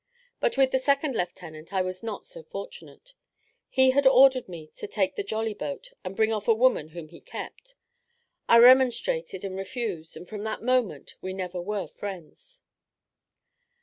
But with the second lieutenant I was not so fortunate. He had ordered me to take the jolly boat and bring off a woman whom he kept; I remonstrated and refused, and from that moment we never were friends.